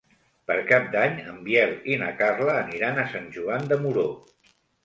Per Cap d'Any en Biel i na Carla aniran a Sant Joan de Moró.